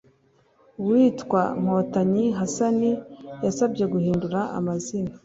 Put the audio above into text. Uwitwa Nkotanyi Hassan yasabye guhindura amazina